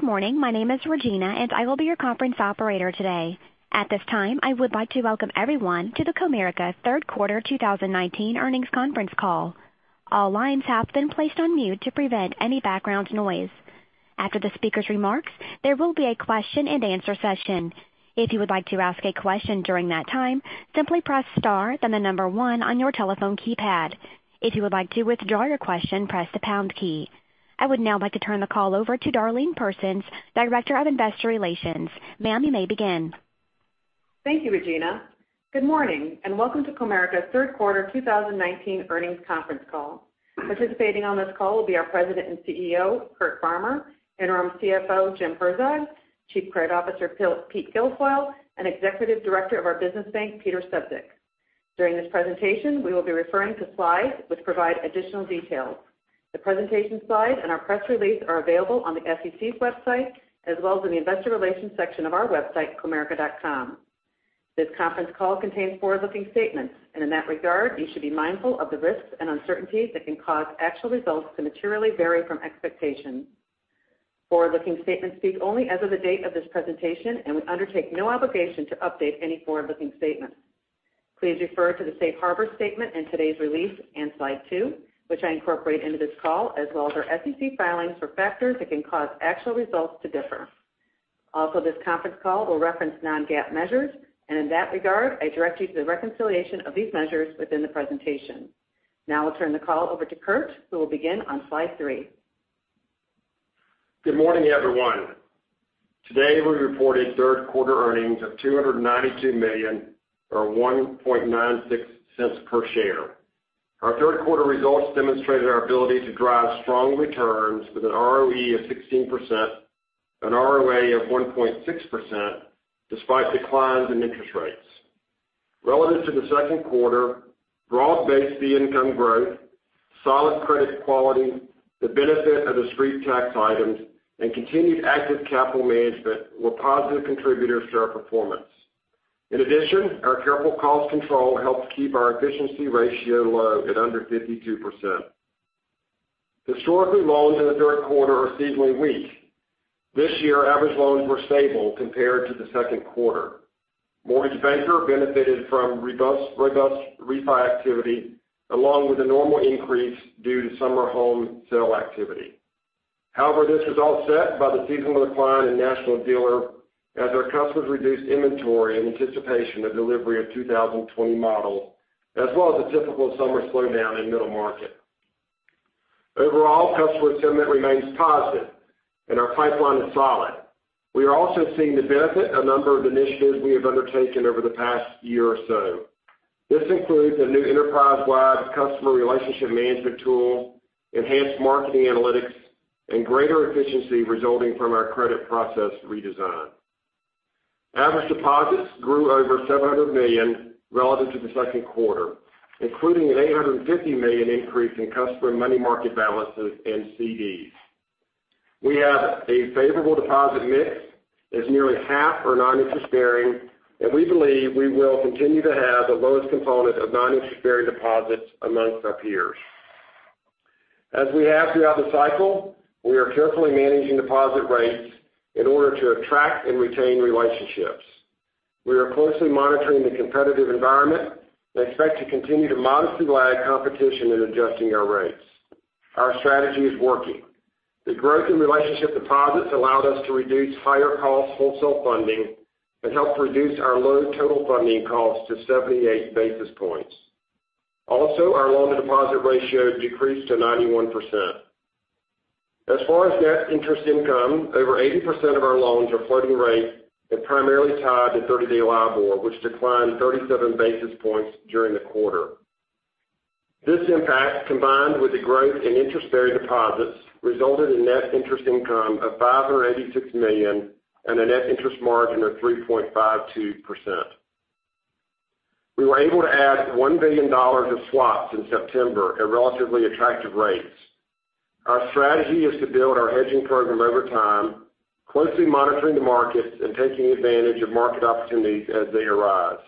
Good morning. My name is Regina, and I will be your conference operator today. At this time, I would like to welcome everyone to the Comerica Third Quarter 2019 earnings conference call. All lines have been placed on mute to prevent any background noise. After the speaker's remarks, there will be a question and answer session. If you would like to ask a question during that time, simply press star then the number 1 on your telephone keypad. If you would like to withdraw your question, press the pound key. I would now like to turn the call over to Darlene Persons, Director of Investor Relations. Ma'am, you may begin. Thank you, Regina. Good morning, welcome to Comerica's third quarter 2019 earnings conference call. Participating on this call will be our President and Chief Executive Officer, Curt Farmer, Interim Chief Financial Officer Jim Herzog, Chief Credit Officer Pete Guilfoile, Executive Director of our Business Bank, Peter Sefzik. During this presentation, we will be referring to slides which provide additional details. The presentation slides and our press release are available on the SEC's website, as well as in the investor relations section of our website, comerica.com. This conference call contains forward-looking statements, in that regard, you should be mindful of the risks and uncertainties that can cause actual results to materially vary from expectations. Forward-looking statements speak only as of the date of this presentation, we undertake no obligation to update any forward-looking statements. Please refer to the safe harbor statement in today's release in slide two, which I incorporate into this call, as well as our SEC filings for factors that can cause actual results to differ. This conference call will reference non-GAAP measures, and in that regard, I direct you to the reconciliation of these measures within the presentation. I'll turn the call over to Curt, who will begin on slide three. Good morning, everyone. Today, we reported third quarter earnings of $292 million, or $1.96 per share. Our third quarter results demonstrated our ability to drive strong returns with an ROE of 16% and ROA of 1.6% despite declines in interest rates. Relative to the second quarter, broad-based fee income growth, solid credit quality, the benefit of discrete tax items, and continued active capital management were positive contributors to our performance. In addition, our careful cost control helped keep our efficiency ratio low at under 52%. Historically, loans in the third quarter are seasonally weak. This year, average loans were stable compared to the second quarter. Mortgage Banker benefited from robust refi activity along with a normal increase due to summer home sale activity. However, this was offset by the seasonal decline in National Dealer as our customers reduced inventory in anticipation of delivery of 2020 models, as well as the typical summer slowdown in middle market. Overall, customer sentiment remains positive, and our pipeline is solid. We are also seeing the benefit of a number of initiatives we have undertaken over the past year or so. This includes a new enterprise-wide customer relationship management tool, enhanced marketing analytics, and greater efficiency resulting from our credit process redesign. Average deposits grew over $700 million relative to the second quarter, including an $850 million increase in customer money market balances and CDs. We have a favorable deposit mix, as nearly half are non-interest bearing, and we believe we will continue to have the lowest component of non-interest-bearing deposits amongst our peers. As we have throughout the cycle, we are carefully managing deposit rates in order to attract and retain relationships. We are closely monitoring the competitive environment and expect to continue to modestly lag competition in adjusting our rates. Our strategy is working. The growth in relationship deposits allowed us to reduce higher cost wholesale funding and helped reduce our low total funding cost to 78 basis points. Our loan-to-deposit ratio decreased to 91%. As far as net interest income, over 80% of our loans are floating rate and primarily tied to 30-day LIBOR, which declined 37 basis points during the quarter. This impact, combined with the growth in interest-bearing deposits, resulted in net interest income of $586 million and a net interest margin of 3.52%. We were able to add $1 billion of swaps in September at relatively attractive rates. Our strategy is to build our hedging program over time, closely monitoring the markets and taking advantage of market opportunities as they arise.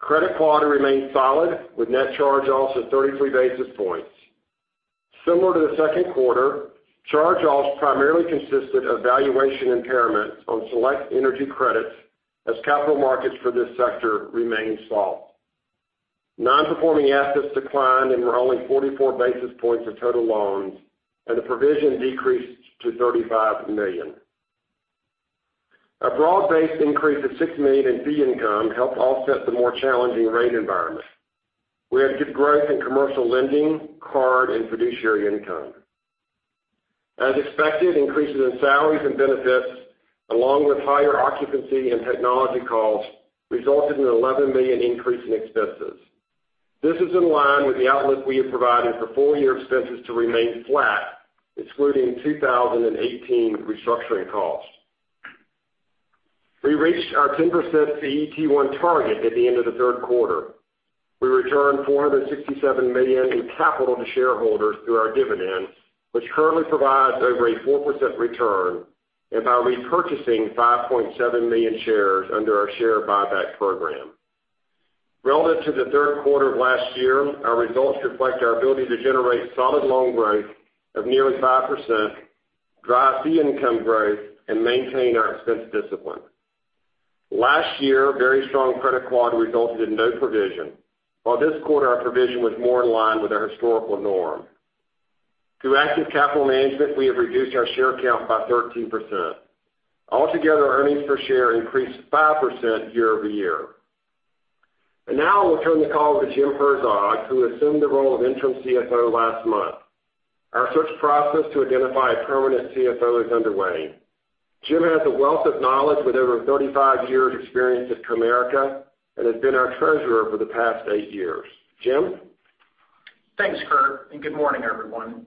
Credit quality remains solid with net charge-offs of 33 basis points. Similar to the second quarter, charge-offs primarily consisted of valuation impairment on select energy credits as capital markets for this sector remain soft. Non-performing assets declined and were only 44 basis points of total loans, and the provision decreased to $35 million. A broad-based increase of $6 million in fee income helped offset the more challenging rate environment. We had good growth in commercial lending, card, and fiduciary income. As expected, increases in salaries and benefits, along with higher occupancy and technology costs, resulted in an $11 million increase in expenses. This is in line with the outlook we have provided for full-year expenses to remain flat, excluding 2018 restructuring costs. We reached our 10% CET1 target at the end of the third quarter. We returned $467 million in capital to shareholders through our dividend, which currently provides over a 4% return, and by repurchasing 5.7 million shares under our share buyback program. Relative to the third quarter of last year, our results reflect our ability to generate solid loan growth of nearly 5%, drive fee income growth, and maintain our expense discipline. Last year, very strong credit quality resulted in no provision, while this quarter our provision was more in line with our historical norm. Through active capital management, we have reduced our share count by 13%. Altogether, earnings per share increased 5% year-over-year. Now I will turn the call to Jim Herzog, who assumed the role of interim CFO last month. Our search process to identify a permanent CFO is underway. Jim has a wealth of knowledge with over 35 years experience at Comerica and has been our treasurer for the past eight years. Jim? Thanks, Curt, and good morning, everyone.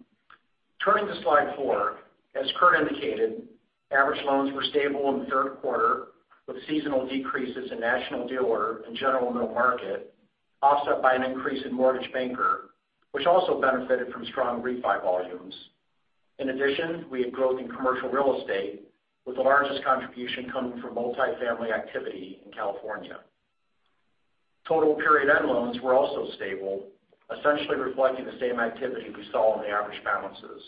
Turning to slide four, as Curt indicated, average loans were stable in the third quarter with seasonal decreases in National Dealer and general middle market, offset by an increase in Mortgage Banker, which also benefited from strong refi volumes. In addition, we had growth in Commercial Real Estate, with the largest contribution coming from multi-family activity in California. Total period end loans were also stable, essentially reflecting the same activity we saw in the average balances.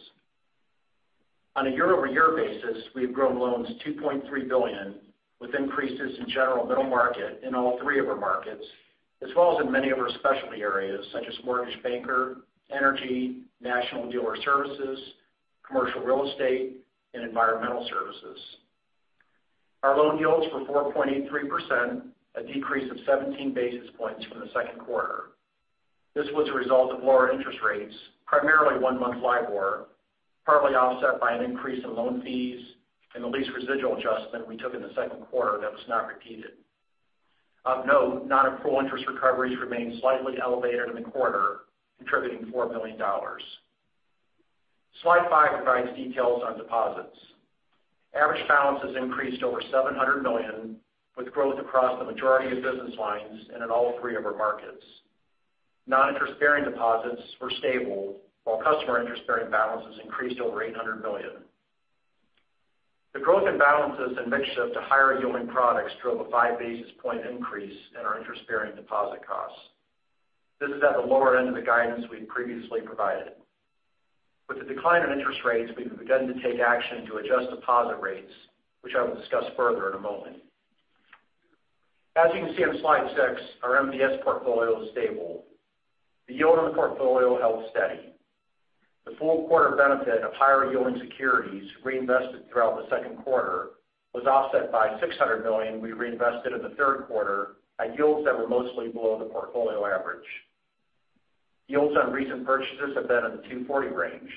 On a year-over-year basis, we have grown loans $2.3 billion with increases in general middle market in all three of our markets, as well as in many of our specialty areas such as Mortgage Banker, energy, National Dealer Services, Commercial Real Estate, and Environmental Services. Our loan yields were 4.83%, a decrease of 17 basis points from the second quarter. This was a result of lower interest rates, primarily one-month LIBOR, partly offset by an increase in loan fees and the lease residual adjustment we took in the second quarter that was not repeated. Of note, non-accrual interest recoveries remained slightly elevated in the quarter, contributing $4 million. Slide five provides details on deposits. Average balances increased over $700 million, with growth across the majority of business lines and in all three of our markets. Non-interest bearing deposits were stable, while customer interest-bearing balances increased over $800 million. The growth in balances and mix shift to higher yielding products drove a five basis point increase in our interest-bearing deposit costs. This is at the lower end of the guidance we previously provided. With the decline in interest rates, we've begun to take action to adjust deposit rates, which I will discuss further in a moment. As you can see on slide six, our MBS portfolio is stable. The yield on the portfolio held steady. The full quarter benefit of higher yielding securities reinvested throughout the second quarter was offset by $600 million we reinvested in the third quarter at yields that were mostly below the portfolio average. Yields on recent purchases have been in the 240 range.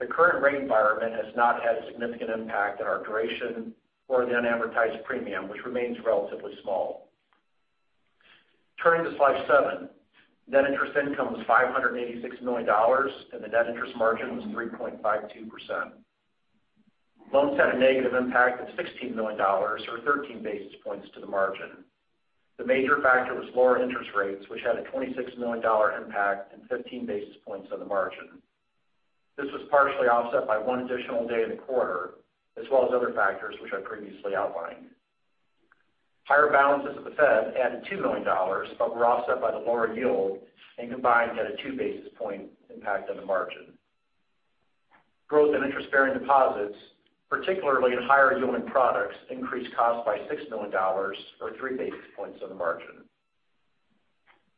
The current rate environment has not had a significant impact on our duration or the unadvertised premium, which remains relatively small. Turning to slide seven, net interest income was $586 million. The net interest margin was 3.52%. Loans had a negative impact of $16 million, or 13 basis points to the margin. The major factor was lower interest rates, which had a $26 million impact and 15 basis points on the margin. This was partially offset by one additional day in the quarter, as well as other factors which I previously outlined. Higher balances at the Fed added $2 million but were offset by the lower yield and combined had a two basis point impact on the margin. Growth in interest-bearing deposits, particularly in higher yielding products, increased costs by $6 million or three basis points on the margin.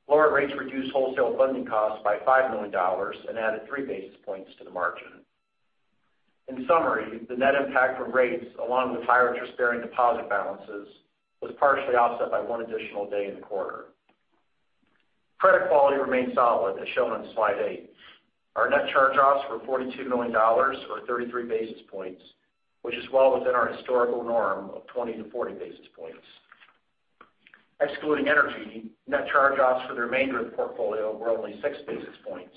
Lower rates reduced wholesale funding costs by $5 million and added three basis points to the margin. In summary, the net impact from rates, along with higher interest-bearing deposit balances, was partially offset by one additional day in the quarter. Credit quality remained solid, as shown on slide eight. Our net charge-offs were $42 million, or 33 basis points, which is well within our historical norm of 20-40 basis points. Excluding energy, net charge-offs for the remainder of the portfolio were only six basis points.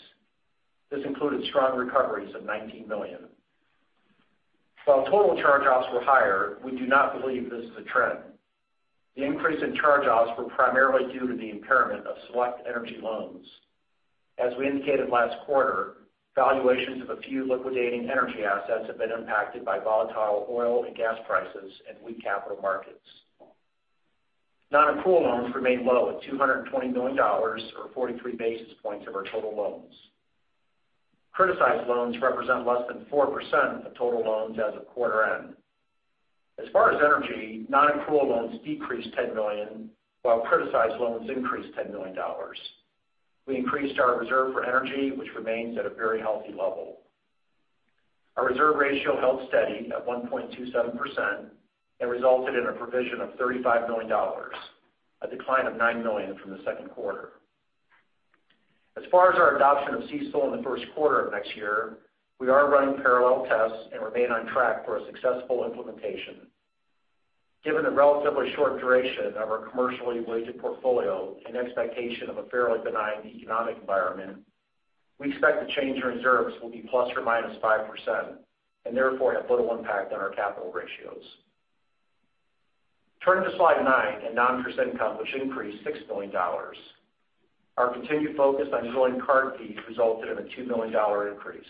This included strong recoveries of $19 million. While total charge-offs were higher, we do not believe this is a trend. The increase in charge-offs were primarily due to the impairment of select energy loans. As we indicated last quarter, valuations of a few liquidating energy assets have been impacted by volatile oil and gas prices and weak capital markets. Non-accrual loans remained low at $220 million, or 43 basis points of our total loans. Criticized loans represent less than 4% of total loans as of quarter end. As far as energy, non-accrual loans decreased $10 million, while criticized loans increased $10 million. We increased our reserve for energy, which remains at a very healthy level. Our reserve ratio held steady at 1.27% and resulted in a provision of $35 million, a decline of $9 million from the second quarter. As far as our adoption of CECL in the first quarter of next year, we are running parallel tests and remain on track for a successful implementation. Given the relatively short duration of our commercially weighted portfolio and expectation of a fairly benign economic environment, we expect the change in reserves will be plus or minus 5% and therefore have little impact on our capital ratios. Turning to slide nine and non-interest income, which increased $6 million. Our continued focus on yielding card fees resulted in a $2 million increase.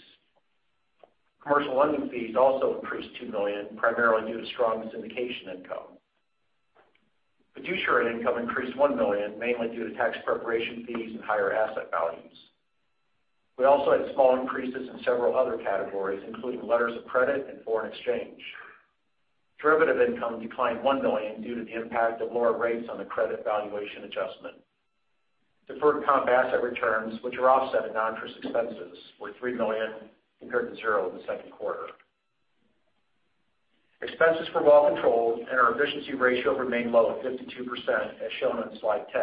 Commercial lending fees also increased $2 million, primarily due to strong syndication income. Fiduciary income increased $1 million, mainly due to tax preparation fees and higher asset values. We also had small increases in several other categories, including letters of credit and foreign exchange. Derivative income declined $1 million due to the impact of lower rates on the credit valuation adjustment. Deferred comp asset returns, which are offset in non-interest expenses, were $3 million compared to 0 in the second quarter. Expenses were well controlled and our efficiency ratio remained low at 52%, as shown on slide 10.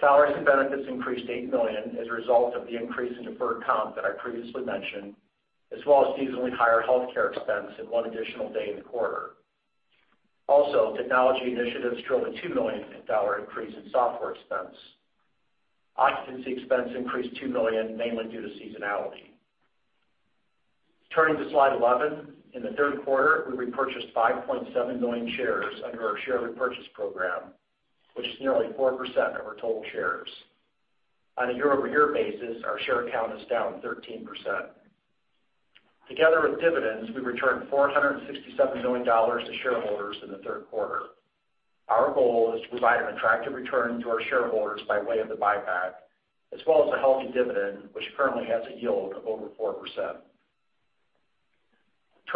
Salaries and benefits increased $8 million as a result of the increase in deferred comp that I previously mentioned, as well as seasonally higher healthcare expense and one additional day in the quarter. Also, technology initiatives drove a $2 million increase in software expense. Occupancy expense increased $2 million, mainly due to seasonality. Turning to slide 11. In the third quarter, we repurchased 5.7 million shares under our share repurchase program, which is nearly 4% of our total shares. On a year-over-year basis, our share count is down 13%. Together with dividends, we returned $467 million to shareholders in the third quarter. Our goal is to provide an attractive return to our shareholders by way of the buyback, as well as a healthy dividend, which currently has a yield of over 4%.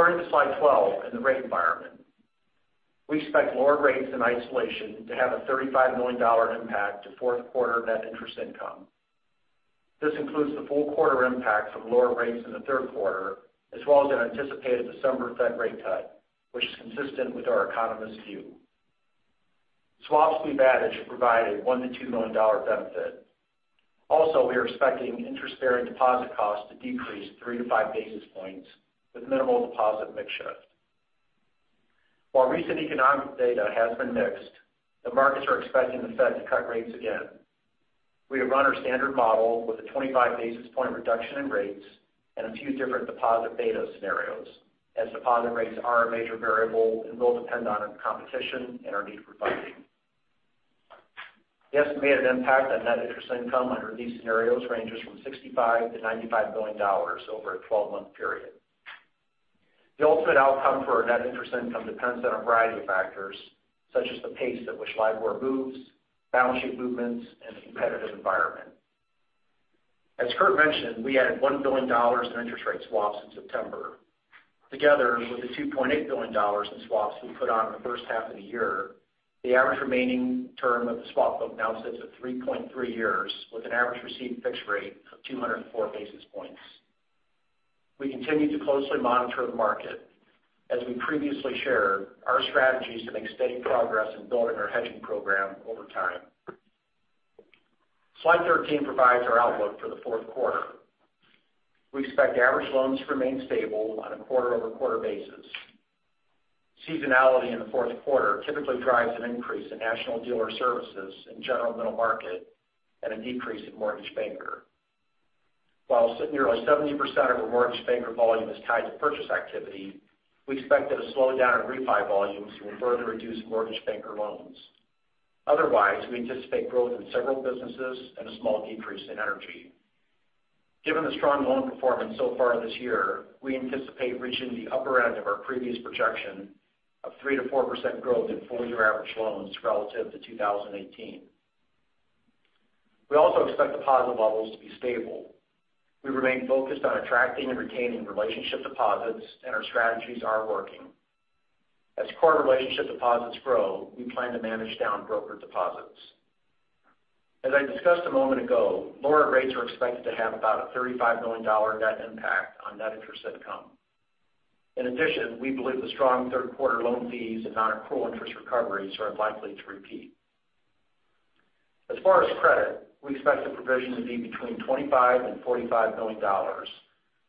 Turning to slide 12 and the rate environment. We expect lower rates in isolation to have a $35 million impact to fourth quarter net interest income. This includes the full quarter impacts of lower rates in the third quarter, as well as an anticipated December Fed rate cut, which is consistent with our economist view. Swaps we've hedged provide a $1 million-$2 million benefit. We are expecting interest-bearing deposit costs to decrease three to five basis points with minimal deposit mix shift. While recent economic data has been mixed, the markets are expecting the Fed to cut rates again. We have run our standard model with a 25 basis point reduction in rates and a few different deposit beta scenarios, as deposit rates are a major variable and will depend on competition and our need for funding. The estimated impact on net interest income under these scenarios ranges from $65 million-$95 million over a 12-month period. The ultimate outcome for our net interest income depends on a variety of factors, such as the pace at which LIBOR moves, balance sheet movements, and the competitive environment. As Curt mentioned, we added $1 billion in interest rate swaps in September. Together with the $2.8 billion in swaps we put on in the first half of the year, the average remaining term of the swap book now sits at 3.3 years, with an average received fixed rate of 204 basis points. We continue to closely monitor the market. As we previously shared, our strategy is to make steady progress in building our hedging program over time. Slide 13 provides our outlook for the fourth quarter. We expect average loans to remain stable on a quarter-over-quarter basis. Seasonality in the fourth quarter typically drives an increase in National Dealer Services and general middle market, and a decrease in Mortgage Banker. While nearly 70% of our Mortgage Banker volume is tied to purchase activity, we expect that a slowdown in refi volumes will further reduce Mortgage Banker loans. Otherwise, we anticipate growth in several businesses and a small decrease in energy. Given the strong loan performance so far this year, we anticipate reaching the upper end of our previous projection of 3%-4% growth in full-year average loans relative to 2018. We also expect deposit levels to be stable. We remain focused on attracting and retaining relationship deposits, and our strategies are working. As core relationship deposits grow, we plan to manage down broker deposits. As I discussed a moment ago, lower rates are expected to have about a $35 million net impact on net interest income. In addition, we believe the strong third quarter loan fees and non-accrual interest recoveries are unlikely to repeat. As far as credit, we expect the provision to be between $25 million and $45 million,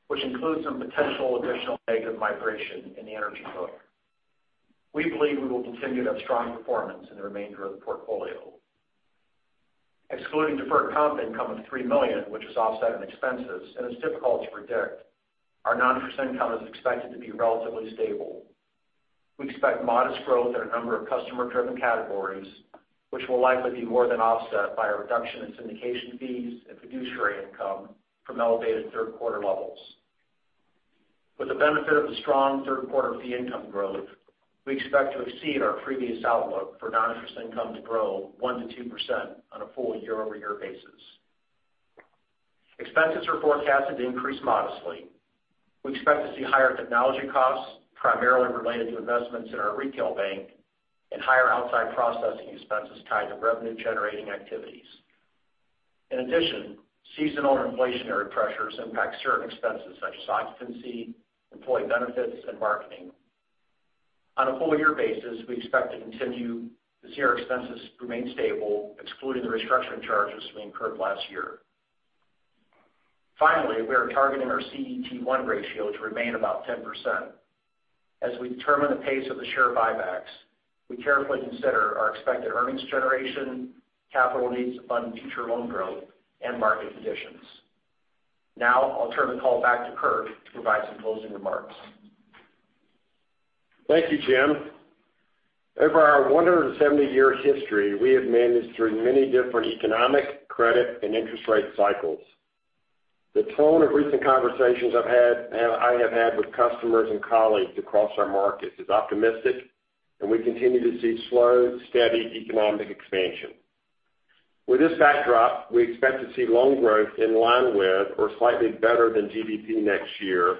which includes some potential additional negative migration in the energy book. We believe we will continue to have strong performance in the remainder of the portfolio. Excluding deferred comp income of $3 million, which is offset in expenses and is difficult to predict, our non-interest income is expected to be relatively stable. We expect modest growth in a number of customer-driven categories, which will likely be more than offset by a reduction in syndication fees and fiduciary income from elevated third quarter levels. With the benefit of the strong third quarter fee income growth, we expect to exceed our previous outlook for non-interest income to grow 1%-2% on a full year-over-year basis. Expenses are forecasted to increase modestly. We expect to see higher technology costs, primarily related to investments in our retail bank and higher outside processing expenses tied to revenue-generating activities. In addition, seasonal inflationary pressures impact certain expenses such as occupancy, employee benefits, and marketing. On a full-year basis, we expect to continue to see our expenses remain stable, excluding the restructuring charges we incurred last year. Finally, we are targeting our CET1 ratio to remain about 10%. As we determine the pace of the share buybacks, we carefully consider our expected earnings generation, capital needs to fund future loan growth, and market conditions. Now, I'll turn the call back to Curt to provide some closing remarks. Thank you, Jim. Over our 170-year history, we have managed through many different economic, credit, and interest rate cycles. The tone of recent conversations I have had with customers and colleagues across our markets is optimistic, and we continue to see slow, steady economic expansion. With this backdrop, we expect to see loan growth in line with or slightly better than GDP next year,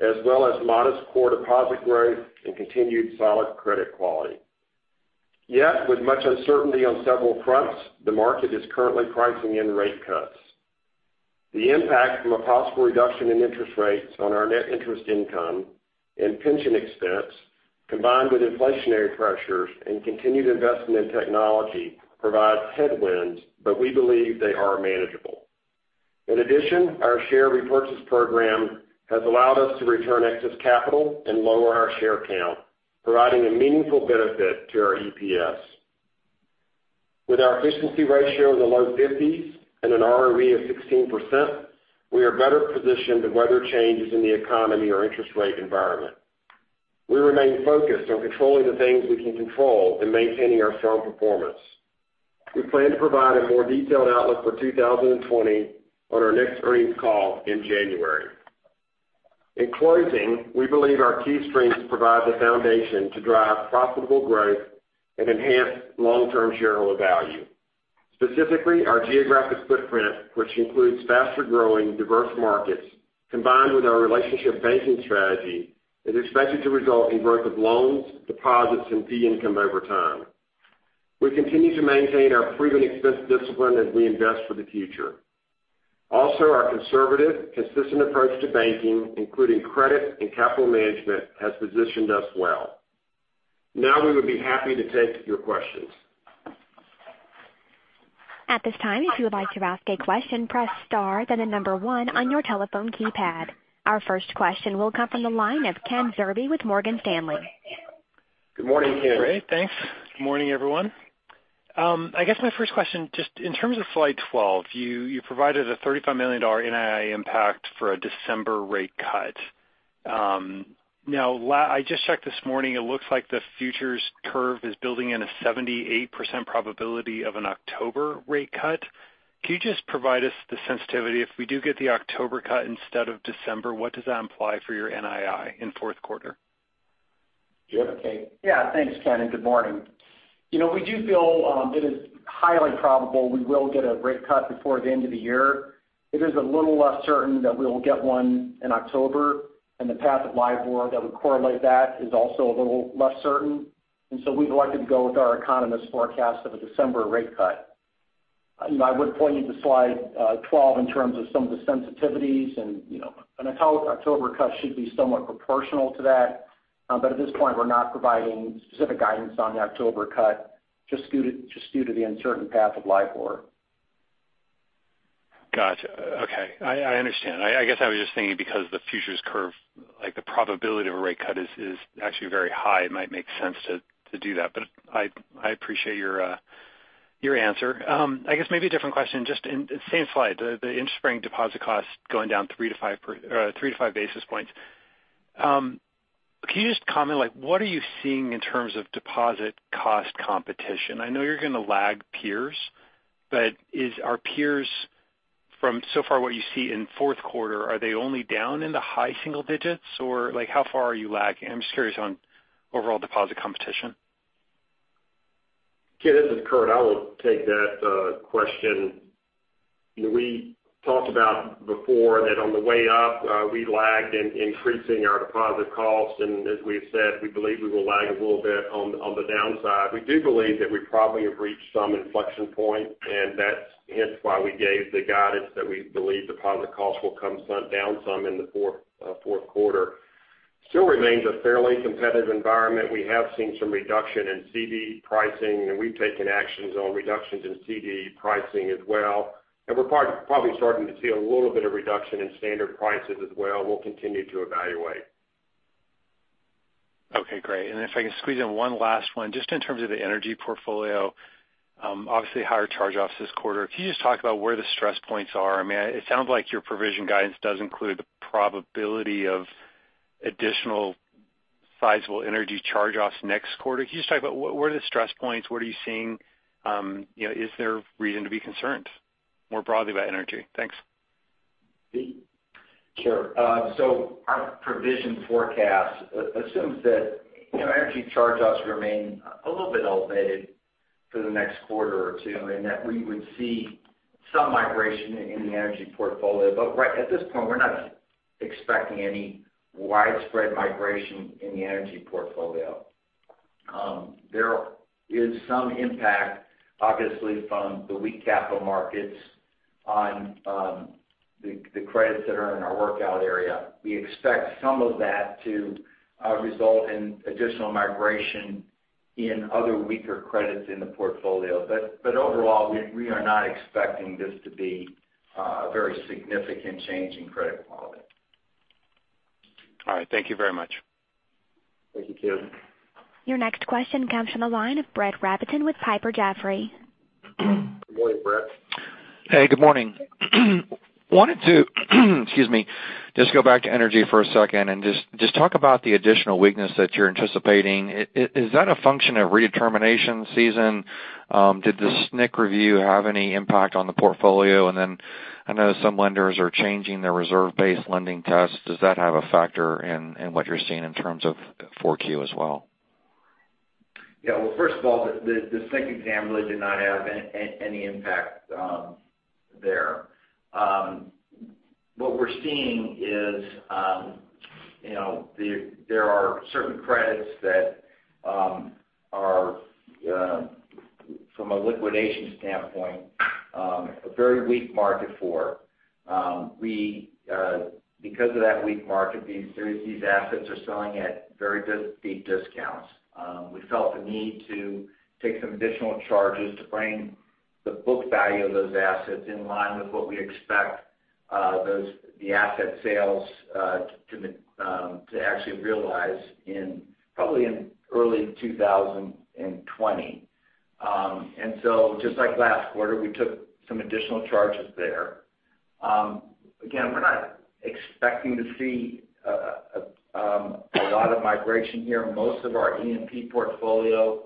as well as modest core deposit growth and continued solid credit quality. Yet, with much uncertainty on several fronts, the market is currently pricing in rate cuts. The impact from a possible reduction in interest rates on our net interest income and pension expense, combined with inflationary pressures and continued investment in technology, provides headwinds, but we believe they are manageable. In addition, our share repurchase program has allowed us to return excess capital and lower our share count, providing a meaningful benefit to our EPS. With our efficiency ratio in the low 50s and an ROE of 16%, we are better positioned to weather changes in the economy or interest rate environment. We remain focused on controlling the things we can control and maintaining our strong performance. We plan to provide a more detailed outlook for 2020 on our next earnings call in January. In closing, we believe our key strengths provide the foundation to drive profitable growth and enhance long-term shareholder value. Specifically, our geographic footprint, which includes faster-growing diverse markets, combined with our relationship banking strategy, is expected to result in growth of loans, deposits, and fee income over time. We continue to maintain our prudent expense discipline as we invest for the future. Also, our conservative, consistent approach to banking, including credit and capital management, has positioned us well. Now, we would be happy to take your questions. At this time, if you would like to ask a question, press star, then the number one on your telephone keypad. Our first question will come from the line of Kenneth Zerbe with Morgan Stanley. Good morning, Ken. Great, thanks. Good morning, everyone. I guess my first question, just in terms of slide 12, you provided a $35 million NII impact for a December rate cut. Now, I just checked this morning, it looks like the futures curve is building in a 78% probability of an October rate cut. Could you just provide us the sensitivity? If we do get the October cut instead of December, what does that imply for your NII in fourth quarter? Jim? Yeah. Thanks, Ken, good morning. We do feel it is highly probable we will get a rate cut before the end of the year. It is a little less certain that we will get one in October. The path of LIBOR that would correlate that is also a little less certain. We've elected to go with our economist forecast of a December rate cut. I would point you to slide 12 in terms of some of the sensitivities. An October cut should be somewhat proportional to that. At this point, we're not providing specific guidance on the October cut, just due to the uncertain path of LIBOR. Got you. Okay. I understand. I guess I was just thinking because the futures curve, the probability of a rate cut is actually very high. It might make sense to do that. I appreciate your answer. I guess maybe a different question, just in the same slide, the interest-bearing deposit cost going down 3-5 basis points. Can you just comment, what are you seeing in terms of deposit cost competition? I know you're going to lag peers, but are peers, from so far what you see in fourth quarter, are they only down in the high single digits? How far are you lagging? I'm just curious on overall deposit competition. Ken, this is Curt. I will take that question. We talked about before that on the way up, we lagged in increasing our deposit costs. As we have said, we believe we will lag a little bit on the downside. We do believe that we probably have reached some inflection point, and that's hence why we gave the guidance that we believe deposit costs will come down some in the fourth quarter. Still remains a fairly competitive environment. We have seen some reduction in CD pricing, and we've taken actions on reductions in CD pricing as well. We're probably starting to see a little bit of reduction in standard prices as well. We'll continue to evaluate. Okay, great. If I can squeeze in one last one, just in terms of the energy portfolio. Obviously, higher charge-offs this quarter. Can you just talk about where the stress points are? It sounds like your provision guidance does include the probability of additional sizable energy charge-offs next quarter. Can you just talk about where are the stress points? What are you seeing? Is there reason to be concerned more broadly about energy? Thanks. Our provision forecast assumes that energy charge-offs remain a little bit elevated for the next quarter or two, and that we would see some migration in the energy portfolio. At this point, we're not expecting any widespread migration in the energy portfolio. There is some impact, obviously, from the weak capital markets on the credits that are in our workout area. We expect some of that to result in additional migration in other weaker credits in the portfolio. Overall, we are not expecting this to be a very significant change in credit quality. All right. Thank you very much. Thank you, Ken. Your next question comes from the line of Brett Rabatin with Piper Jaffray. Good morning, Brett. Hey, good morning. Just go back to energy for a second and just talk about the additional weakness that you're anticipating. Is that a function of redetermination season? Did the SNCC review have any impact on the portfolio? I know some lenders are changing their reserve-based lending tests. Does that have a factor in what you're seeing in terms of 4Q as well? Yeah. Well, first of all, the SNCC exam really did not have any impact there. What we're seeing is there are certain credits that are, from a liquidation standpoint, a very weak market for. Because of that weak market, these assets are selling at very deep discounts. We felt the need to take some additional charges to bring the book value of those assets in line with what we expect the asset sales to actually realize probably in early 2020. Just like last quarter, we took some additional charges there. Again, we're not expecting to see a lot of migration here. Most of our E&P portfolio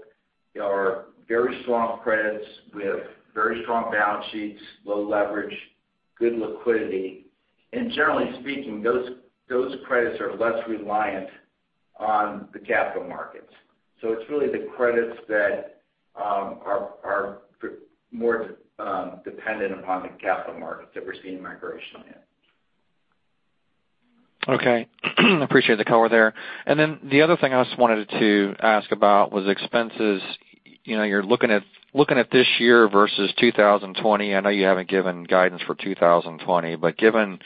are very strong credits with very strong balance sheets, low leverage, good liquidity, and generally speaking, those credits are less reliant on the capital markets. It's really the credits that are more dependent upon the capital markets that we're seeing migration in. Okay. Appreciate the color there. The other thing I just wanted to ask about was expenses. You're looking at this year versus 2020. I know you haven't given guidance for 2020, but given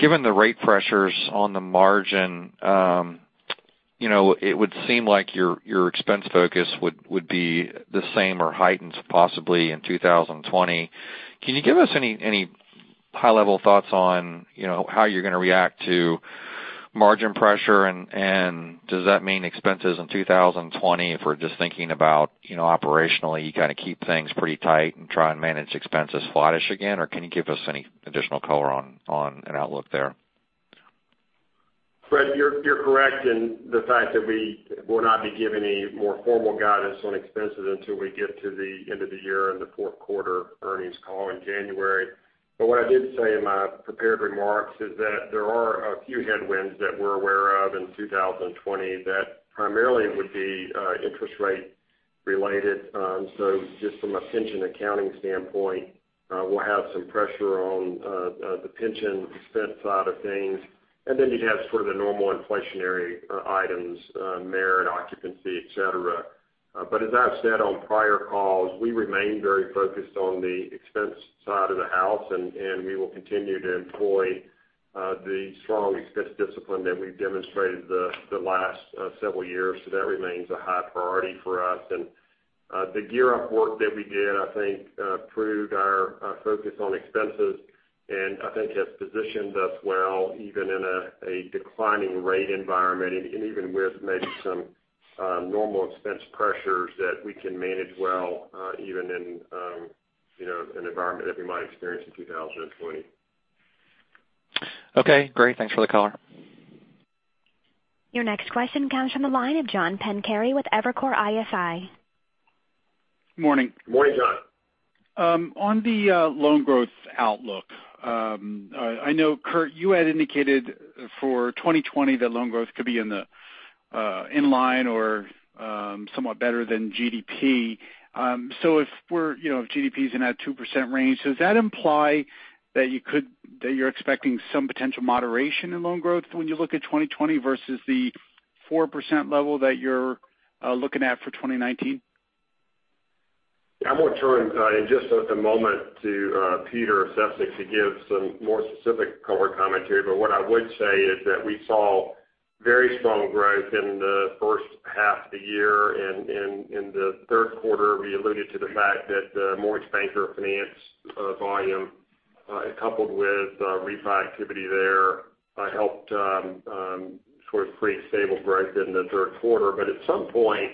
the rate pressures on the margin, it would seem like your expense focus would be the same or heightened possibly in 2020. Can you give us any high-level thoughts on how you're going to react to margin pressure, and does that mean expenses in 2020, if we're just thinking about operationally, you kind of keep things pretty tight and try and manage expenses flattish again? Can you give us any additional color on an outlook there? Brett, you're correct in the fact that we will not be giving any more formal guidance on expenses until we get to the end of the year in the fourth quarter earnings call in January. What I did say in my prepared remarks is that there are a few headwinds that we're aware of in 2020 that primarily would be interest rate related. Just from a pension accounting standpoint, we'll have some pressure on the pension expense side of things. You'd have sort of the normal inflationary items, merit, occupancy, et cetera. As I've said on prior calls, we remain very focused on the expense side of the house, and we will continue to employ the strong expense discipline that we've demonstrated the last several years. That remains a high priority for us. The GEAR Up work that we did, I think, proved our focus on expenses and I think has positioned us well, even in a declining rate environment and even with maybe some normal expense pressures that we can manage well, even in an environment that we might experience in 2020. Okay, great. Thanks for the color. Your next question comes from the line of John Pancari with Evercore ISI. Morning. Morning, John. On the loan growth outlook, I know, Curt, you had indicated for 2020 that loan growth could be in line or somewhat better than GDP. If GDP's in that 2% range, does that imply that you're expecting some potential moderation in loan growth when you look at 2020 versus the 4% level that you're looking at for 2019? I'm going to turn in just a moment to Peter Sefzik to give some more specific color commentary. What I would say is that we saw very strong growth in the first half of the year. In the third quarter, we alluded to the fact that the Mortgage Banker finance volume, coupled with refi activity there, helped sort of create stable growth in the third quarter. At some point,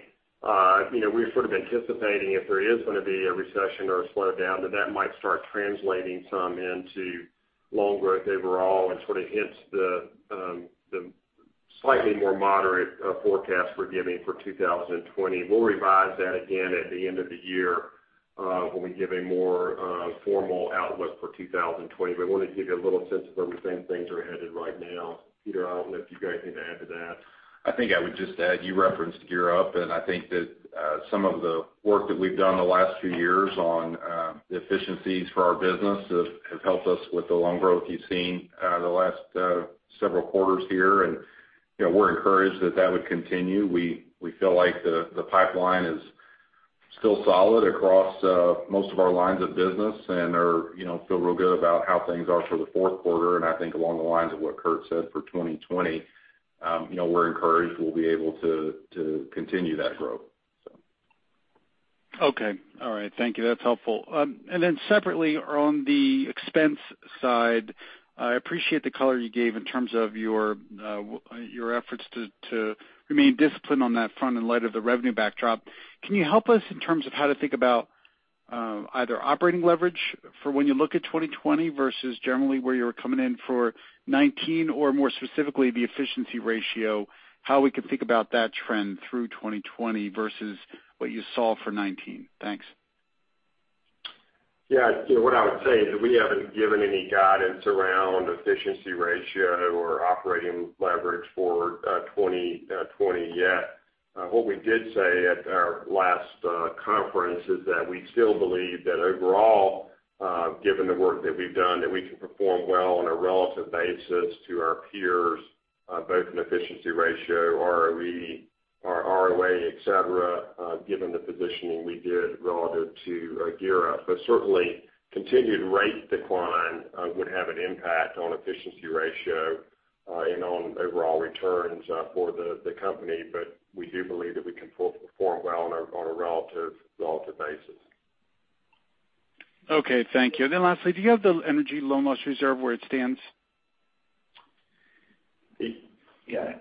we're sort of anticipating if there is going to be a recession or a slowdown, that that might start translating some into loan growth overall and sort of hints the slightly more moderate forecast we're giving for 2020. We'll revise that again at the end of the year when we give a more formal outlook for 2020. I wanted to give you a little sense of where we think things are headed right now. Peter, I don't know if you've got anything to add to that. I think I would just add, you referenced GEAR Up, I think that some of the work that we've done the last few years on the efficiencies for our business have helped us with the loan growth you've seen the last several quarters here. We're encouraged that that would continue. We feel like the pipeline is still solid across most of our lines of business and feel real good about how things are for the fourth quarter. I think along the lines of what Curt said for 2020, we're encouraged we'll be able to continue that growth. Okay. All right. Thank you. That's helpful. Then separately, on the expense side, I appreciate the color you gave in terms of your efforts to remain disciplined on that front in light of the revenue backdrop. Can you help us in terms of how to think about Either operating leverage for when you look at 2020 versus generally where you were coming in for 2019 or more specifically, the efficiency ratio, how we can think about that trend through 2020 versus what you saw for 2019. Thanks. Yeah. What I would say is we haven't given any guidance around efficiency ratio or operating leverage for 2020 yet. What we did say at our last conference is that we still believe that overall, given the work that we've done, that we can perform well on a relative basis to our peers, both in efficiency ratio, ROE or ROA, et cetera, given the positioning we did relative to GEAR Up. Certainly, continued rate decline would have an impact on efficiency ratio and on overall returns for the company. We do believe that we can perform well on a relative basis. Okay, thank you. Lastly, do you have the energy loan loss reserve where it stands? Yeah.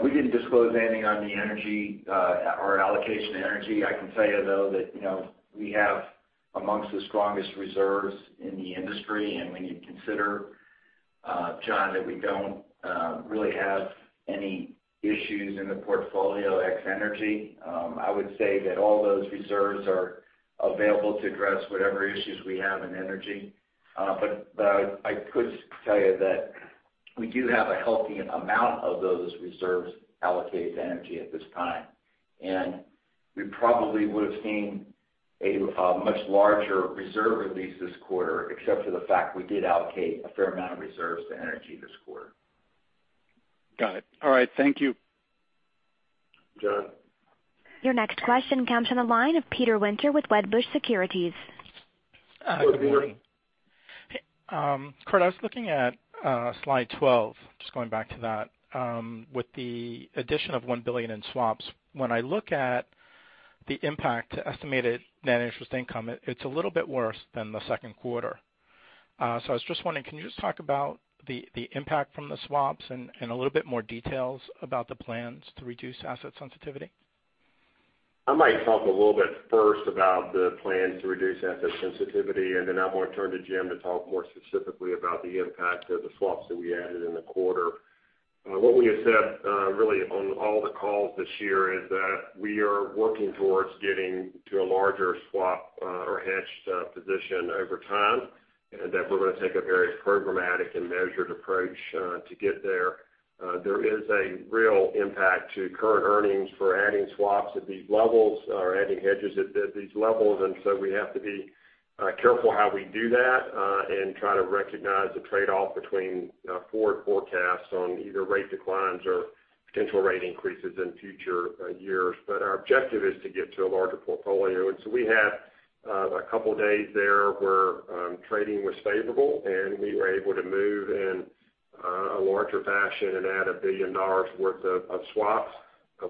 We didn't disclose anything on the energy or allocation to energy. I can tell you, though, that we have amongst the strongest reserves in the industry. When you consider, John, that we don't really have any issues in the portfolio ex energy, I would say that all those reserves are available to address whatever issues we have in energy. I could tell you that we do have a healthy amount of those reserves allocated to energy at this time. We probably would've seen a much larger reserve release this quarter, except for the fact we did allocate a fair amount of reserves to energy this quarter. Got it. All right, thank you. John. Your next question comes on the line of Peter Winter with Wedbush Securities. Good morning. Curt, I was looking at slide 12, just going back to that, with the addition of $1 billion in swaps. When I look at the impact to estimated net interest income, it's a little bit worse than the second quarter. I was just wondering, can you just talk about the impact from the swaps and a little bit more details about the plans to reduce asset sensitivity? I might talk a little bit first about the plans to reduce asset sensitivity, and then I'm going to turn to Jim to talk more specifically about the impact of the swaps that we added in the quarter. What we have said really on all the calls this year is that we are working towards getting to a larger swap or hedged position over time, and that we're going to take a very programmatic and measured approach to get there. There is a real impact to current earnings for adding swaps at these levels or adding hedges at these levels. We have to be careful how we do that and try to recognize the trade-off between forward forecasts on either rate declines or potential rate increases in future years. Our objective is to get to a larger portfolio. We had a couple of days there where trading was favorable, and we were able to move in a larger fashion and add $1 billion worth of swaps.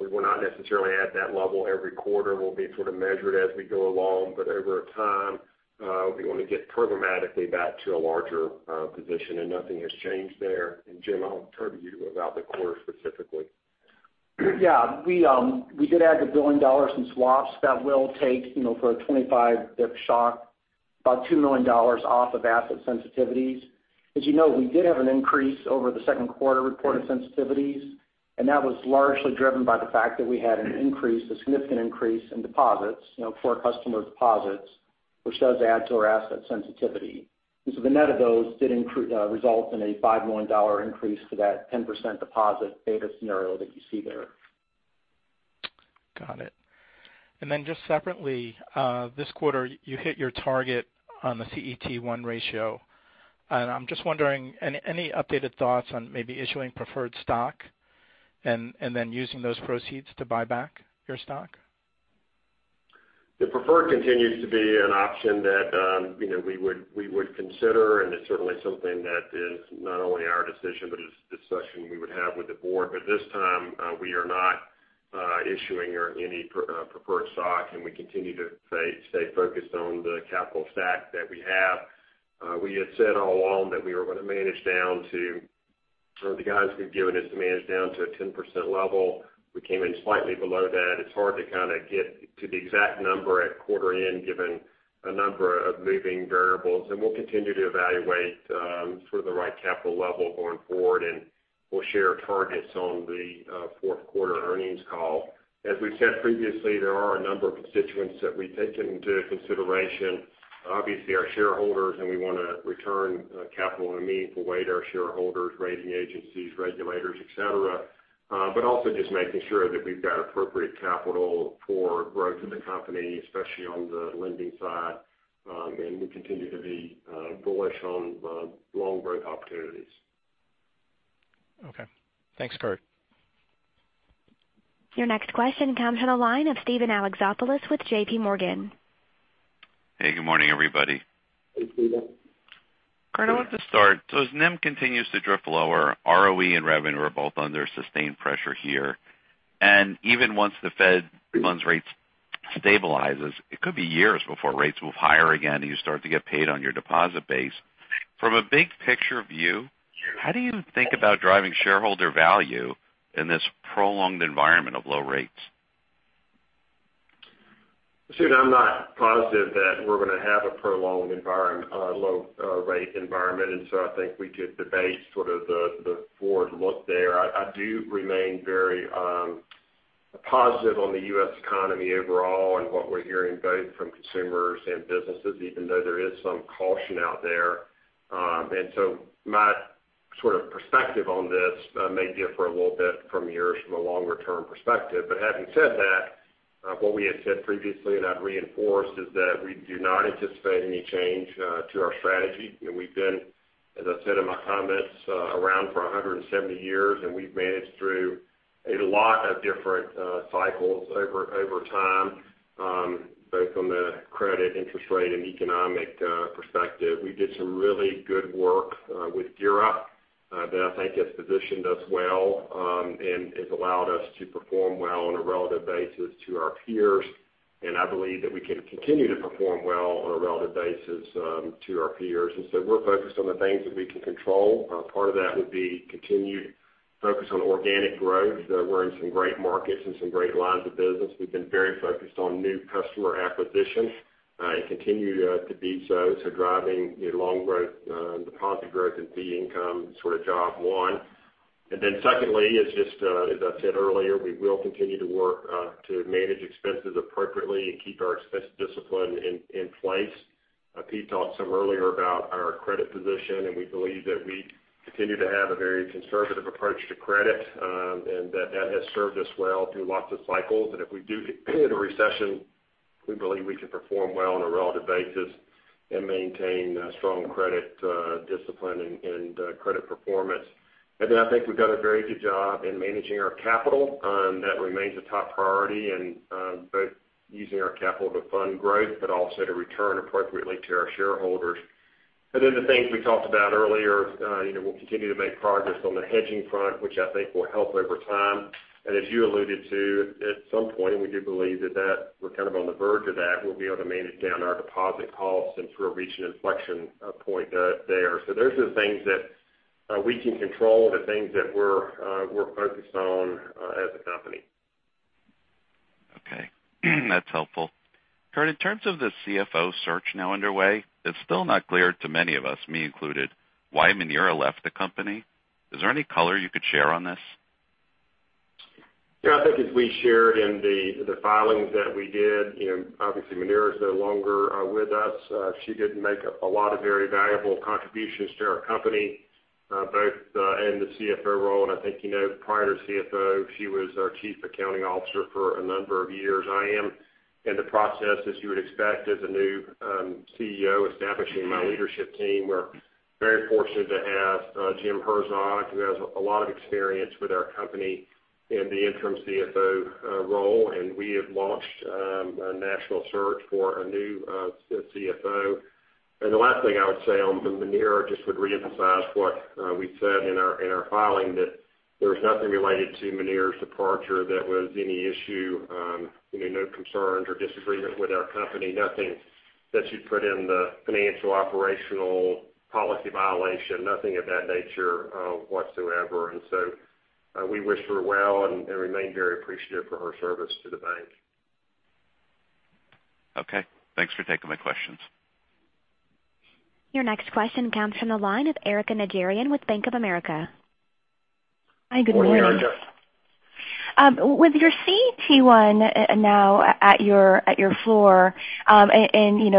We will not necessarily add that level every quarter. We'll be sort of measured as we go along. Over time, we want to get programmatically back to a larger position, and nothing has changed there. Jim, I'll turn to you about the quarter specifically. We did add $1 billion in swaps that will take, for a 25 basis point shock, about $2 million off of asset sensitivities. As you know, we did have an increase over the second quarter reported sensitivities, and that was largely driven by the fact that we had a significant increase in deposits for customer deposits, which does add to our asset sensitivity. The net of those did result in a $5 million increase to that 10% deposit beta scenario that you see there. Got it. Just separately, this quarter, you hit your target on the CET1 ratio. I'm just wondering, any updated thoughts on maybe issuing preferred stock and then using those proceeds to buy back your stock? The preferred continues to be an option that we would consider, and it's certainly something that is not only our decision, but it's a discussion we would have with the board. At this time, we are not issuing any preferred stock, and we continue to stay focused on the capital stack that we have. We have said all along that we were going to manage down to the guidance we've given is to manage down to a 10% level. We came in slightly below that. It's hard to kind of get to the exact number at quarter end, given a number of moving variables. We'll continue to evaluate for the right capital level going forward, and we'll share targets on the fourth quarter earnings call. As we've said previously, there are a number of constituents that we take into consideration. Obviously, our shareholders, we want to return capital in a meaningful way to our shareholders, rating agencies, regulators, et cetera. Also just making sure that we've got appropriate capital for growth of the company, especially on the lending side, and we continue to be bullish on the long growth opportunities. Okay. Thanks, Curt. Your next question comes from the line of Steven Alexopoulos with JPMorgan. Hey, good morning, everybody. Hey, Steven. Curt, I want to start. As NIM continues to drift lower, ROE and revenue are both under sustained pressure here. Even once the Fed funds rate stabilizes, it could be years before rates move higher again, and you start to get paid on your deposit base. From a big picture view, how do you think about driving shareholder value in this prolonged environment of low rates? Steven, I'm not positive that we're going to have a prolonged low rate environment. I think we could debate sort of the forward look there. I do remain very positive on the U.S. economy overall and what we're hearing both from consumers and businesses, even though there is some caution out there. My sort of perspective on this may differ a little bit from yours from a longer-term perspective. Having said that, what we had said previously, and I'd reinforce, is that we do not anticipate any change to our strategy. We've been, as I said in my comments, around for 170 years, and we've managed through a lot of different cycles over time, both from a credit, interest rate, and economic perspective. We did some really good work with GEAR Up that I think has positioned us well and has allowed us to perform well on a relative basis to our peers. I believe that we can continue to perform well on a relative basis to our peers. We're focused on the things that we can control. Part of that would be continued focus on organic growth. We're in some great markets and some great lines of business. We've been very focused on new customer acquisition and continue to be so. Driving long growth, deposit growth, and fee income, sort of job one. Secondly, as I said earlier, we will continue to work to manage expenses appropriately and keep our expense discipline in place. Pete talked some earlier about our credit position. We believe that we continue to have a very conservative approach to credit and that that has served us well through lots of cycles. If we do hit a recession, we believe we can perform well on a relative basis and maintain strong credit discipline and credit performance. I think we've done a very good job in managing our capital. That remains a top priority and both using our capital to fund growth, but also to return appropriately to our shareholders. The things we talked about earlier, we'll continue to make progress on the hedging front, which I think will help over time. As you alluded to, at some point, we do believe that we're kind of on the verge of that. We'll be able to manage down our deposit costs since we're reaching an inflection point there. Those are the things that we can control, the things that we're focused on as a company. Okay. That's helpful. Curt, in terms of the CFO search now underway, it's still not clear to many of us, me included, why Muneera left the company. Is there any color you could share on this? Yeah, I think as we shared in the filings that we did, obviously Muneera is no longer with us. She did make a lot of very valuable contributions to our company, both in the CFO role, and I think you know prior to CFO, she was our Chief Accounting Officer for a number of years. I am in the process, as you would expect, as a new CEO, establishing my leadership team. We're very fortunate to have Jim Herzog, who has a lot of experience with our company in the interim CFO role, and we have launched a national search for a new CFO. The last thing I would say on Muneera, just would reemphasize what we said in our filing, that there was nothing related to Muneera's departure that was any issue, no concerns or disagreement with our company, nothing that you'd put in the financial operational policy violation, nothing of that nature whatsoever. We wish her well and remain very appreciative for her service to the bank. Okay. Thanks for taking my questions. Your next question comes from the line of Erika Najarian with Bank of America. Hi, good morning. Good morning, Erika. With your CET1 now at your floor, and you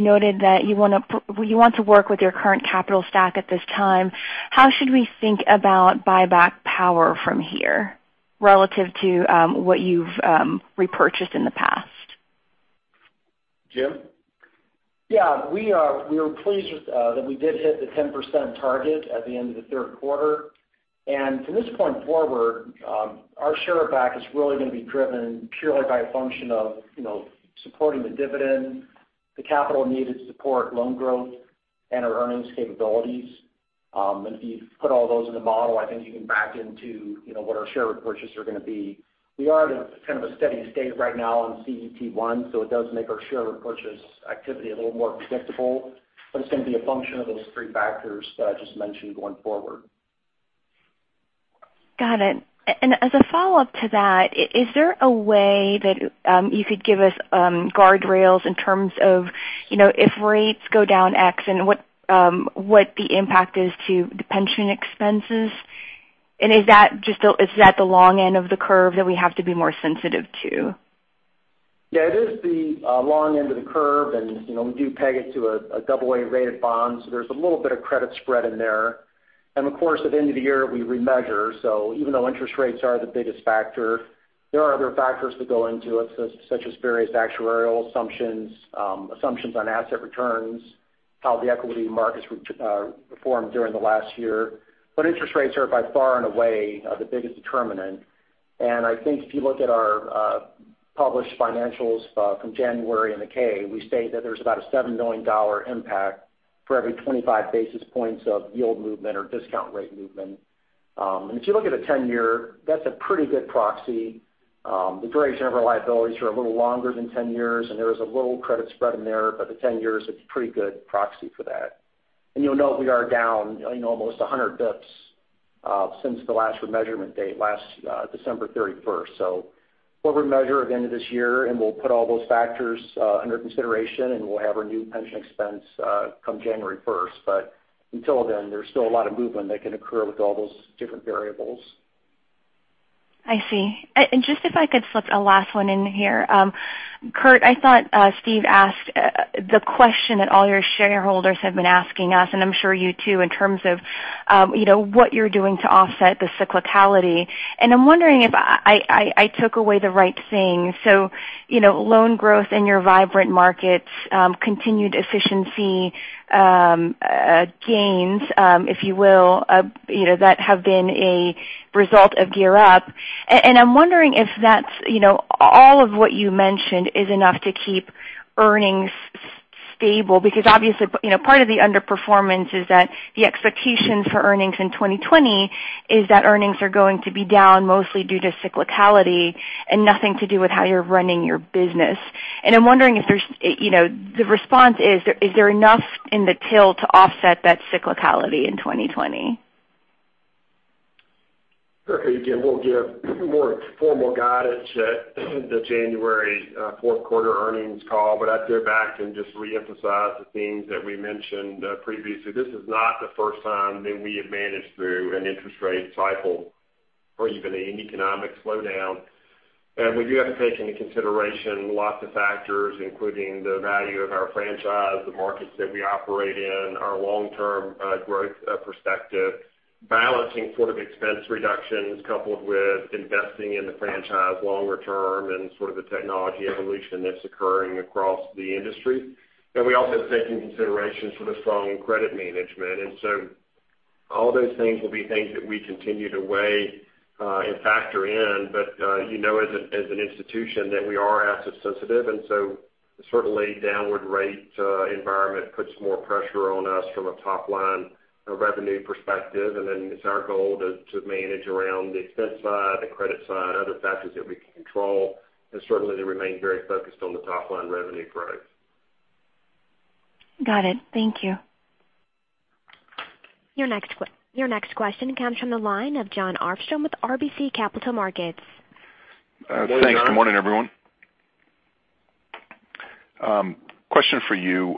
noted that you want to work with your current capital stack at this time, how should we think about buyback power from here relative to what you've repurchased in the past? Jim? Yeah. We are pleased that we did hit the 10% target at the end of the third quarter. From this point forward, our share buyback is really going to be driven purely by a function of supporting the dividend, the capital needed to support loan growth, and our earnings capabilities. If you put all those in the model, I think you can back into what our share repurchases are going to be. We are at a kind of a steady state right now on CET1, so it does make our share repurchase activity a little more predictable, but it's going to be a function of those three factors that I just mentioned going forward. Got it. As a follow-up to that, is there a way that you could give us guardrails in terms of, if rates go down X, and what the impact is to the pension expenses? Is that the long end of the curve that we have to be more sensitive to? Yeah, it is the long end of the curve, and we do peg it to a AA-rated bond, so there's a little bit of credit spread in there. Of course, at the end of the year, we remeasure. Even though interest rates are the biggest factor, there are other factors that go into it, such as various actuarial assumptions on asset returns, how the equity markets performed during the last year. Interest rates are by far and away the biggest determinant. I think if you look at our published financials from January in the K, we state that there's about a $7 million impact for every 25 basis points of yield movement or discount rate movement. If you look at a 10-year, that's a pretty good proxy. The duration of our liabilities are a little longer than 10 years, and there is a little credit spread in there, but the 10 years, it's a pretty good proxy for that. You'll note we are down almost 100 basis points since the last measurement date, last December 31st. We'll remeasure at the end of this year, and we'll put all those factors under consideration, and we'll have our new pension expense come January 1st. Until then, there's still a lot of movement that can occur with all those different variables. I see. Just if I could slip a last one in here. Curt, I thought Steven asked the question that all your shareholders have been asking us, and I'm sure you too, in terms of what you're doing to offset the cyclicality. I'm wondering if I took away the right thing. Loan growth in your vibrant markets, continued efficiency gains, if you will, that have been a result of GEAR Up. I'm wondering if all of what you mentioned is enough to keep earnings stable, because obviously, part of the underperformance is that the expectations for earnings in 2020 is that earnings are going to be down mostly due to cyclicality and nothing to do with how you're running your business. I'm wondering if the response is there enough in the till to offset that cyclicality in 2020? Okay. Again, we'll give more formal guidance at the January fourth quarter earnings call. I'd go back and just reemphasize the themes that we mentioned previously. This is not the first time that we have managed through an interest rate cycle or even an economic slowdown. We do have to take into consideration lots of factors, including the value of our franchise, the markets that we operate in, our long-term growth perspective, balancing expense reductions coupled with investing in the franchise longer term and the technology evolution that's occurring across the industry. We also take into consideration strong credit management. All those things will be things that we continue to weigh and factor in. You know as an institution that we are asset sensitive, and so certainly downward rate environment puts more pressure on us from a top-line revenue perspective. It's our goal to manage around the expense side, the credit side, other factors that we can control, and certainly to remain very focused on the top-line revenue growth. Got it. Thank you. Your next question comes from the line of Jon Arfstrom with RBC Capital Markets. Thanks. Good morning, everyone. Question for you,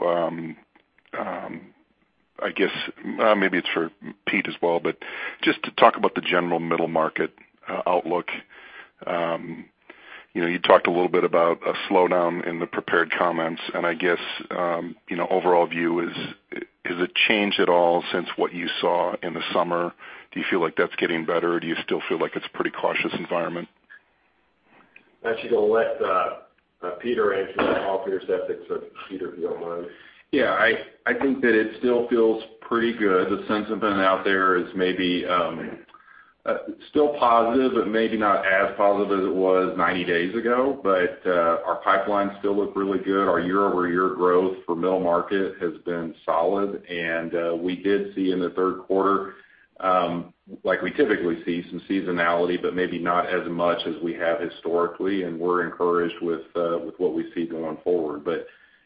I guess maybe it's for Pete as well, but just to talk about the general middle market outlook. I guess overall view, has it changed at all since what you saw in the summer? Do you feel like that's getting better, or do you still feel like it's a pretty cautious environment? Actually, going to let Peter answer that call for your sake. Peter, if you don't mind. Yeah, I think that it still feels pretty good. The sense of been out there is maybe still positive, but maybe not as positive as it was 90 days ago. Our pipelines still look really good. Our year-over-year growth for middle market has been solid. We did see in the third quarter, like we typically see, some seasonality, but maybe not as much as we have historically, and we're encouraged with what we see going forward.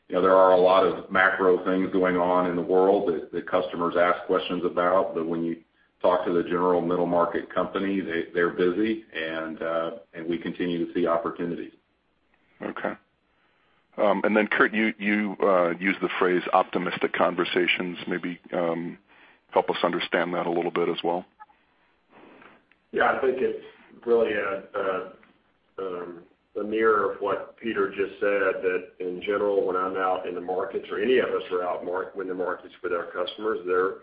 There are a lot of macro things going on in the world that customers ask questions about, but when you talk to the general middle market company, they're busy, and we continue to see opportunities. Okay. Curt, you used the phrase optimistic conversations. Maybe help us understand that a little bit as well. Yeah, I think it's really a mirror of what Peter just said, that in general, when I'm out in the markets or any of us are out when the market's with our customers, they're,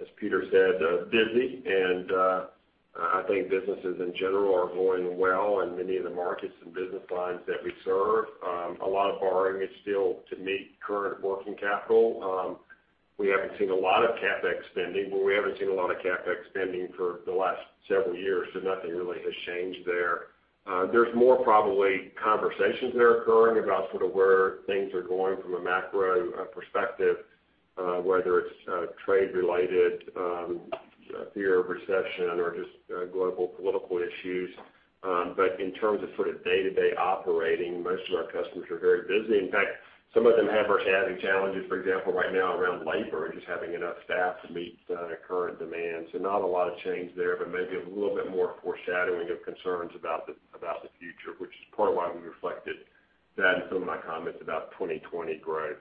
as Peter said, busy. I think businesses in general are going well in many of the markets and business lines that we serve. A lot of borrowing is still to meet current working capital. We haven't seen a lot of CapEx spending. Well, we haven't seen a lot of CapEx spending for the last several years, so nothing really has changed there. There's more probably conversations that are occurring about where things are going from a macro perspective, whether it's trade-related, fear of recession, or just global political issues. In terms of day-to-day operating, most of our customers are very busy. In fact, some of them are having challenges, for example, right now around labor and just having enough staff to meet current demand. Not a lot of change there, but maybe a little bit more foreshadowing of concerns about the future, which is part of why we reflected that in some of my comments about 2020 growth.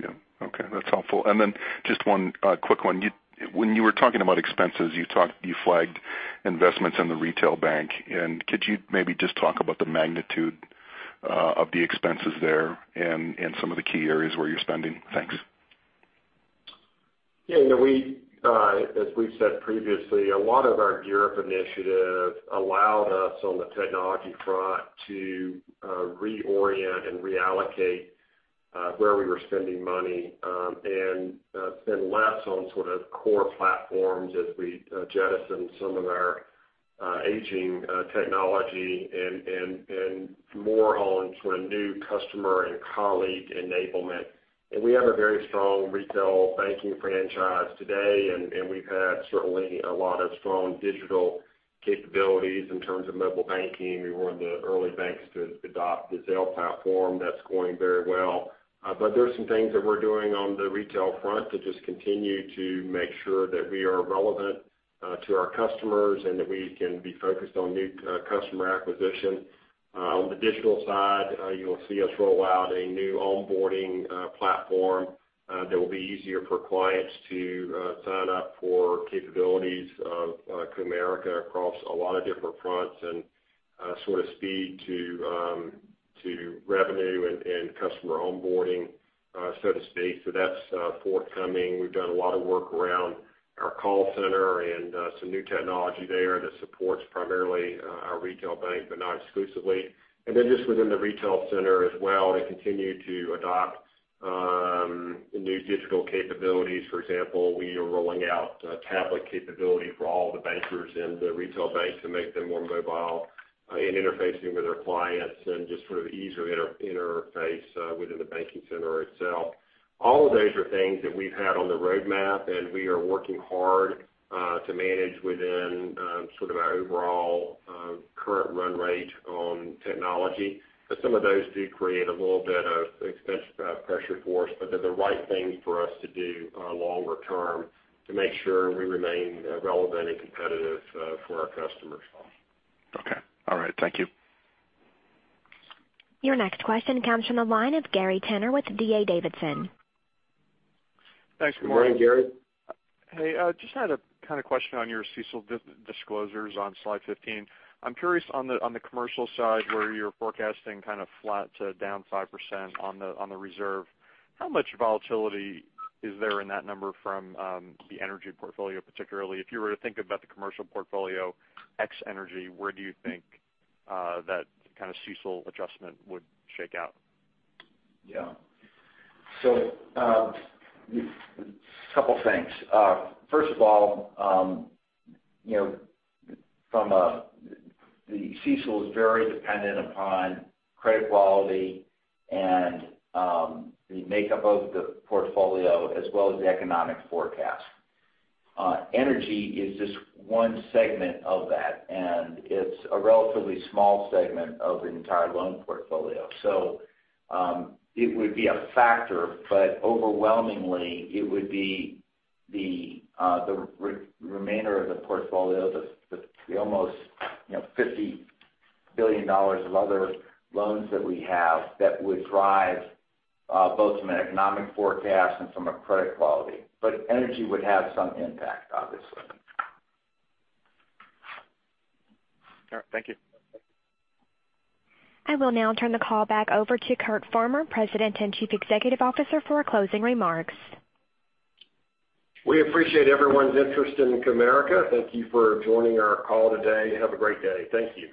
Yeah. Okay. That's helpful. Then just one quick one. When you were talking about expenses, you flagged investments in the retail bank. Could you maybe just talk about the magnitude of the expenses there and some of the key areas where you're spending? Thanks. As we've said previously, a lot of our GEAR Up initiative allowed us on the technology front to reorient and reallocate where we were spending money and spend less on core platforms as we jettisoned some of our aging technology and more on new customer and colleague enablement. We have a very strong retail banking franchise today, and we've had certainly a lot of strong digital capabilities in terms of mobile banking. We were one of the early banks to adopt the Zelle platform. That's going very well. There's some things that we're doing on the retail front to just continue to make sure that we are relevant to our customers and that we can be focused on new customer acquisition. On the digital side, you'll see us roll out a new onboarding platform that will be easier for clients to sign up for capabilities of Comerica across a lot of different fronts and speed to revenue and customer onboarding, so to speak. That's forthcoming. We've done a lot of work around our call center and some new technology there that supports primarily our retail bank, but not exclusively. Just within the retail center as well, to continue to adopt new digital capabilities. For example, we are rolling out a tablet capability for all the bankers in the retail bank to make them more mobile in interfacing with their clients and just easier interface within the banking center itself. All of those are things that we've had on the roadmap, and we are working hard to manage within our overall current run rate on technology. Some of those do create a little bit of expense pressure for us, but they're the right things for us to do longer term to make sure we remain relevant and competitive for our customers. Okay. All right. Thank you. Your next question comes from the line of Gary Tenner with D.A. Davidson. Thanks. Good morning. Good morning, Gary. Hey, just had a question on your CECL disclosures on slide 15. I'm curious on the commercial side, where you're forecasting flat to down 5% on the reserve. How much volatility is there in that number from the energy portfolio particularly? If you were to think about the commercial portfolio, ex energy, where do you think that kind of CECL adjustment would shake out? Couple things. First of all, the CECL is very dependent upon credit quality and the makeup of the portfolio as well as the economic forecast. Energy is just one segment of that, and it's a relatively small segment of the entire loan portfolio. It would be a factor, but overwhelmingly it would be the remainder of the portfolio, the almost $50 billion of other loans that we have that would drive both from an economic forecast and from a credit quality. Energy would have some impact, obviously. All right. Thank you. I will now turn the call back over to Curt Farmer, President and Chief Executive Officer, for closing remarks. We appreciate everyone's interest in Comerica. Thank you for joining our call today. Have a great day. Thank you.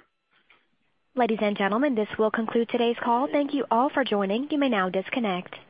Ladies and gentlemen, this will conclude today's call. Thank you all for joining. You may now disconnect.